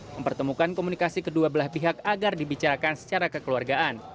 mempertemukan komunikasi kedua belah pihak agar dibicarakan secara kekeluargaan